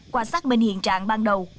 qua sản bên hiện trạng ban đầu